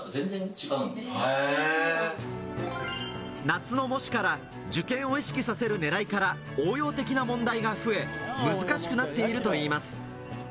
夏の模試から受験を意識させるねらいから、応用的な問題が増え、難しくなっているといいます。